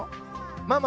ママ？